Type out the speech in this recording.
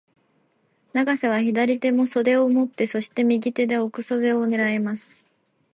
永瀬は左手も襟を持って、そして、右手で奥襟を狙います。